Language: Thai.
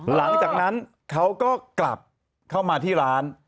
หลังจากนั้นเขาก็กลับเข้ามาที่ร้าน